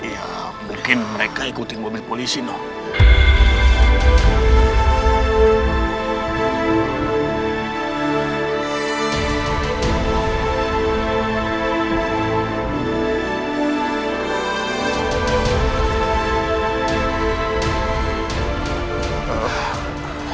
ya mungkin mereka ikutin mobil polisi noh